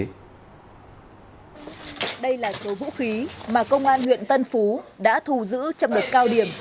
đây là số vũ khí mà công an huyện tân phú đã thù giữ trong đợt cao điểm